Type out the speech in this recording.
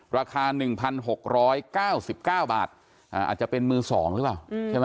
ราคา๑๖๙๙บาทอาจจะเป็นมือสองหรือเปล่า